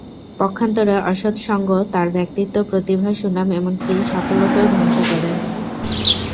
পক্ষান্তরে, অসৎ সঙ্গ তার ব্যক্তিত্ব, প্রতিভা, সুনাম এমনকি সাফল্যকেও ধ্বংস করে।